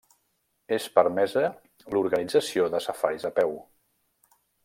És permesa l'organització de safaris a peu.